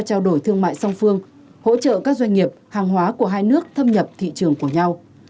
trao đổi thương mại song phương hỗ trợ các doanh nghiệp hàng hóa của hai nước thâm nhập thị trường của nhau